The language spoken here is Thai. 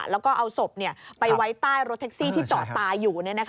แล้วก็เอาศพไปไว้ใต้รถแท็กซี่ที่จอดตายอยู่